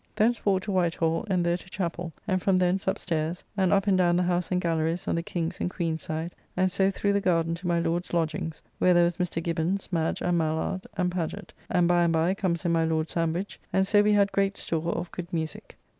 Thence walked to White Hall, and there to chappell, and from thence up stairs, and up and down the house and gallerys on the King's and Queen's side, and so through the garden to my Lord's lodgings, where there was Mr. Gibbons, Madge, and Mallard, and Pagett; and by and by comes in my Lord Sandwich, and so we had great store of good musique.